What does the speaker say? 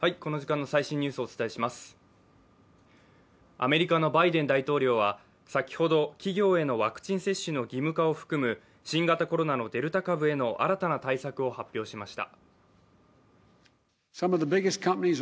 アメリカのバイデン大統領は先ほど企業へのワクチン接種の義務化を含む、新型コロナのデルタ株への新たな対策を発表しました。